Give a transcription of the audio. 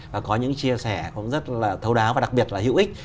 và có những chia sẻ rất là thâu đáo và đặc biệt là hữu ích